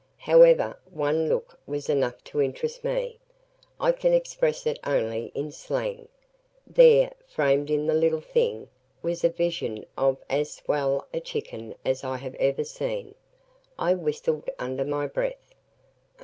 However, one look was enough to interest me. I can express it only in slang. There, framed in the little thing, was a vision of as swell a "chicken" as I have ever seen. I whistled under my breath.